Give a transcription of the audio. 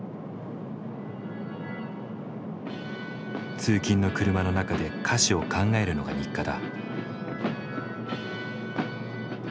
通勤の車の中で歌詞を考えるのが日課だ。